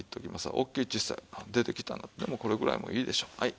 大きい小さい出てきたこれぐらいもういいでしょう。